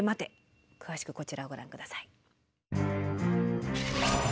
詳しくこちらをご覧下さい。